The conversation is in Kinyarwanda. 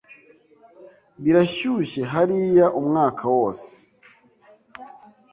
Birashyushye hariya umwaka wose.